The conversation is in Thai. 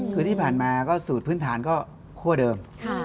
คือที่ผ่านมาก็สูตรพื้นฐานก็คั่วเดิม